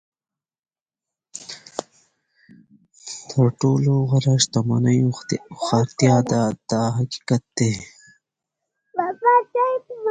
تر ټولو غوره شتمني هوښیارتیا ده دا حقیقت دی.